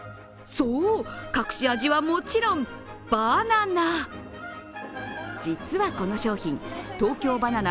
そう、隠し味はもちろんバナナ。